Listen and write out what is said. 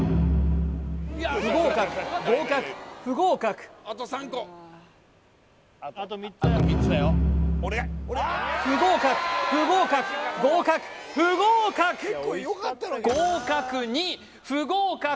不合格合格不合格不合格不合格合格不合格！